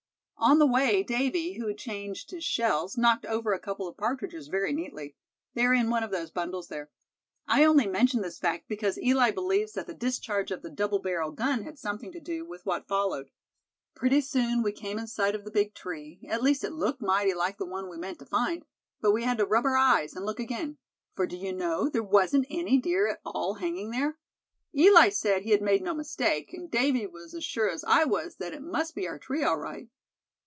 "On the way, Davy, who had changed his shells, knocked over a couple of partridges very neatly. They are in one of those bundles there. I only mention this fact because Eli believes that the discharge of the double barrel gun had something to do with what followed. "Pretty soon we came in sight of the big tree; at least it looked mighty like the one we meant to find; but we had to rub our eyes, and look again; for do you know, there wasn't any deer at all hanging there? Eli said he had made no mistake, and Davy was as sure as I was that it must be our tree all right.